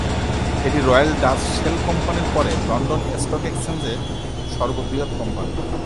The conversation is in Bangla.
এটি রয়েল ডাচ শেল কোম্পানির পরে লন্ডন স্টক এক্সচেঞ্জে সর্ববৃহৎ কোম্পানি।